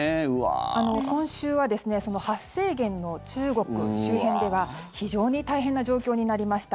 今週は発生源の中国周辺では非常に大変な状況になりました。